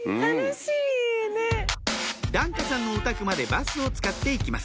檀家さんのお宅までバスを使って行きます